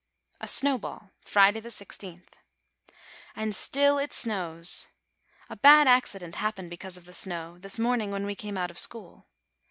A SNOWBALL Friday, i6th. And still it snows. A bad accident happened because of the snow, this morning when we came out of school.